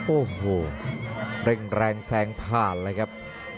โอ้โหเร่งแรงแซงผ่านเลยครับ